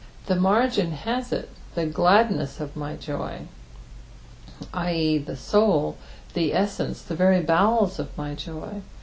The margin hath it, " The KladneBS of my joy," *.«., the soul, tlie essence, the very bowels of my joy.